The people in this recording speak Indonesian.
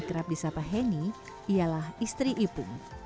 tapi akrab di sapa heni ialah istri ipung